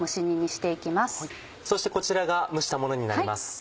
そしてこちらが蒸したものになります。